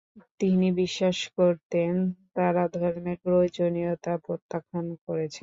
তিনি বিশ্বাস করতেন, তারা ধর্মের প্রয়োজনীয়তা প্রত্যাখ্যান করেছিল।